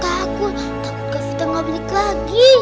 takut kak vita gak balik lagi